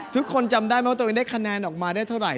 จำได้ไหมว่าตัวเองได้คะแนนออกมาได้เท่าไหร